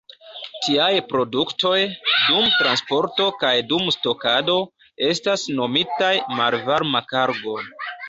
Tiaj produktoj, dum transporto kaj dum stokado, estas nomitaj "malvarma kargo".